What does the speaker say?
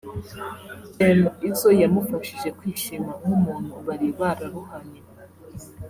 M Izzo yamufashije kwishima nk’umuntu bari bararuhanye